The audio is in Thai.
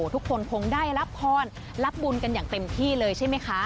ทุกคนคงได้รับพรรับบุญกันอย่างเต็มที่เลยใช่ไหมคะ